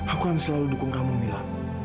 aku akan selalu dukung kamu mila